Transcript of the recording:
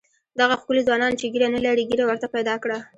دغه ښکلي ځوانان چې ږیره نه لري ږیره ورته پیدا کړه.